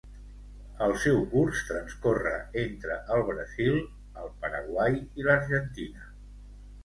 El seu curs transcorre entre el Brasil, el Paraguai i l'Argentina.